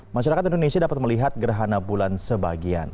masyarakat indonesia dapat melihat gerhana bulan sebagian